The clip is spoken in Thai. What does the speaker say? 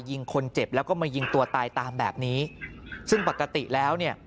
ยิงคนเจ็บแล้วก็มายิงตัวตายตามแบบนี้ซึ่งปกติแล้วเนี่ย